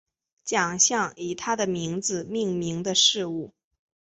奖项以他的名字命名的事物